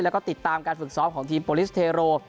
แล้วก็ติดตามการฝึกซ้อมของทีมโปรลิสเทโร